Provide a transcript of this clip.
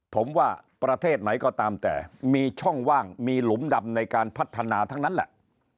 ผมว่าประเทศไหนก็ตามแต่มีช่องว่างมีหลุมดำในการพัฒนาทั้งนั้นแหละ